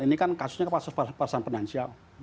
ini kan kasusnya pasal pasal penansial